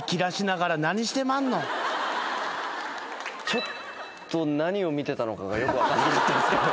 ちょっと何を見てたのかがよく分かんなかったです。